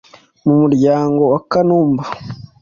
mu muryango wa Kanumba